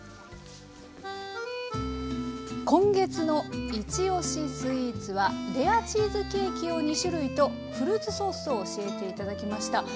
今月の「いちおしスイーツ」はレアチーズケーキを２種類とフルーツソースを教えて頂きました。